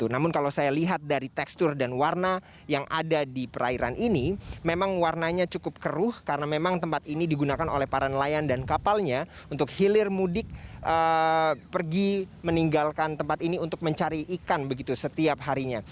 namun kalau saya lihat dari tekstur dan warna yang ada di perairan ini memang warnanya cukup keruh karena memang tempat ini digunakan oleh para nelayan dan kapalnya untuk hilir mudik pergi meninggalkan tempat ini untuk mencari ikan begitu setiap harinya